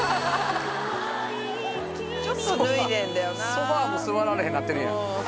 ソファも座られへんなってるやん。